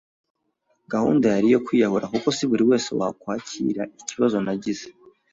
gahunda yari iyo kwiyahura kuko si buri wese wakwakira ikibazo nagize.